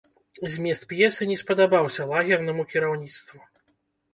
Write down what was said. Змест п'есы не спадабаўся лагернаму кіраўніцтву.